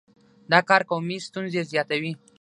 دا کار قومي ستونزې زیاتوي.